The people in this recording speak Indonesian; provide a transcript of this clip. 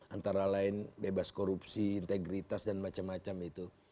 antara lain bebas korupsi integritas dan macam macam itu